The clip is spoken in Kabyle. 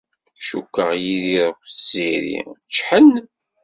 Cukkeɣ Yidir akked Tiziri ččḥen.